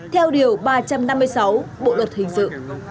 theo điều ba trăm năm mươi sáu bộ luật hình sự